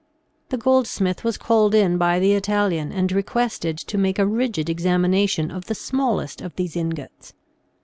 The goldsmith was called in by the Italian and requested to make a rigid examination of the smallest of these ingots.